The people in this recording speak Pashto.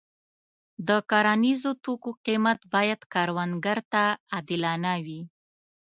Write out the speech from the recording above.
د کرنیزو توکو قیمت باید کروندګر ته عادلانه وي.